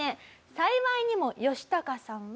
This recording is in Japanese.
幸いにもヨシタカさんは。